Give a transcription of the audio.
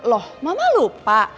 loh mama lupa